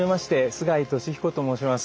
須貝俊彦と申します。